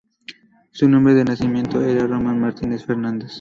Su nombre de nacimiento era Román Martínez Fernández.